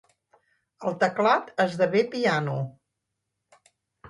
El teclat esdevé piano.